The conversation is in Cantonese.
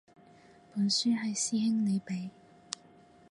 本書係師兄你畀